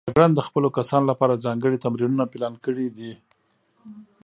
جګړن د خپلو کسانو لپاره ځانګړي تمرینونه پلان کړي دي.